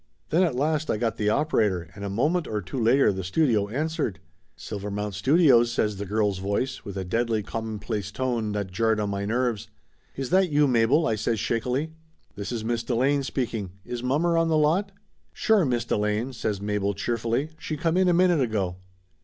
Then at last I got the operator and a moment or two later the studio answered. "Silvermount Studios," says girl's voice with a deadly commonplace tone that jarred on my nerves. "Is that you, Mabel ?" I says shakily. "This is Miss Delane speaking. Is mommer on the lot?" "Sure, Miss Delane," says Mabel cheerfully. "She come in a minute ago."